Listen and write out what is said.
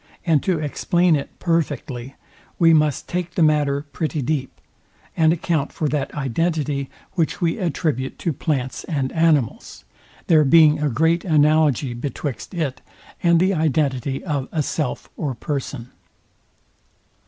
The first is our present subject; and to explain it perfectly we must take the matter pretty deep, and account for that identity, which we attribute to plants and animals; there being a great analogy betwixt it, and the identity of a self or person.